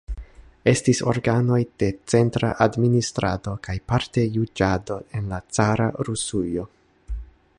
Estis organoj de centra administrado kaj parte juĝado en la cara Rusujo.